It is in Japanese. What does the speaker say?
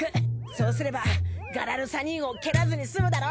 そうすればガラルサニーゴを蹴らずに済むだろ？